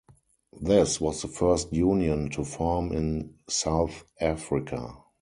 This was the first union to form in South Africa.